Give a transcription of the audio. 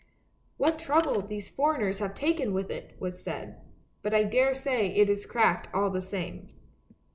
"What trouble these foreigners have taken with it!" was said, " but I daresay it is cracked all the same."